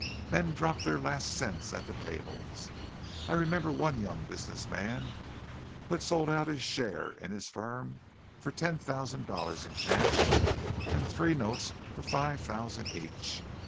Men dropped their last cents at the tables. I remember one young business man who had sold out his share in his firm for ten thousand dollars in cash and three notes for five thousand each.